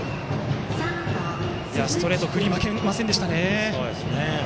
ストレートに振り負けませんね。